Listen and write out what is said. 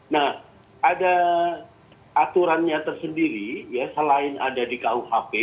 nah ada aturannya tersendiri ya selain ada di kuhp